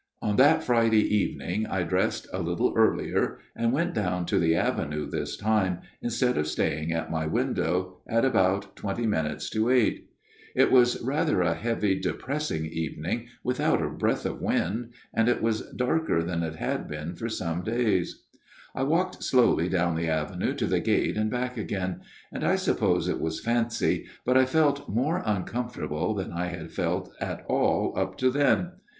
" On that Friday evening I dressed a little earlier, and went down to the avenue this time, instead of staying at my window, at about twenty minutes to eight. " It was rather a heavy depressing evening, 248 A MIRROR OF SHALOTT without a breath of wind ; and it was darker than it had been for some days. " I walked slowly down the avenue to the gate and back again ; and, I suppose it was fancy, but I felt more uncomfortable than I had felt at all up to then.